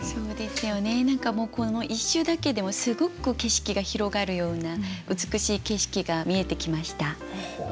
何かもうこの一首だけでもすごく景色が広がるような美しい景色が見えてきました。